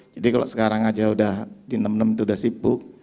jadi kalau sekarang saja sudah di enam enam itu sudah sibuk